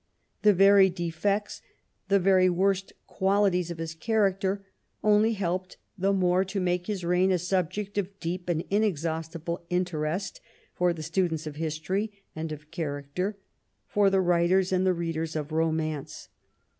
The very defects, the very worst qualities of his character only helped the more to make his reign a subject of deep and inexhaustible interest for the students of history and of character, for the writers and the readers of romance.